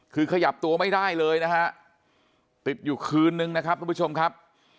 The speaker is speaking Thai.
คือขยับตัวไม่ได้เลยนะฮะติดอยู่คืนนึงนะครับทุกผู้ชมครับ